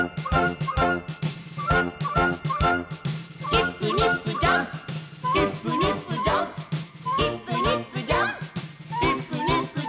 「イップニップジャンプイップニップジャンプ」「イップニップジャンプイップニップジャンプ」